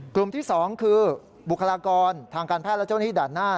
กลุ่มที่๒คือบุคลากรทางการแพทย์และเจ้าหน้าที่ด่านหน้า